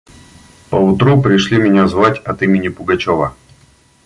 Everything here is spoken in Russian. Поутру пришли меня звать от имени Пугачева.